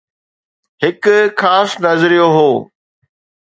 هڪ خاص نظريو هو.